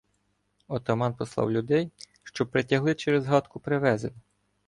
Отаман послав людей, щоб притягли через гатку привезене.